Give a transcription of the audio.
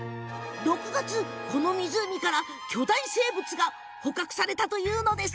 ６月、この湖から巨大生物が捕獲されたといいます。